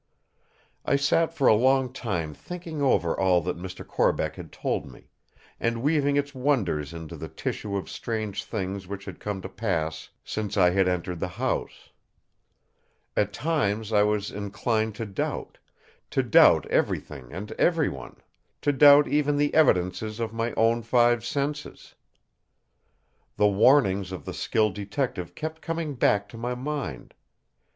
I sat for a long time thinking over all that Mr. Corbeck had told me; and weaving its wonders into the tissue of strange things which had come to pass since I had entered the house. At times I was inclined to doubt; to doubt everything and every one; to doubt even the evidences of my own five senses. The warnings of the skilled detective kept coming back to my mind.